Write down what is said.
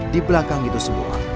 di belakang itu sebuah kubur